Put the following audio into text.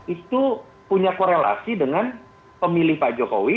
itu punya korelasi dengan pemilih pak jokowi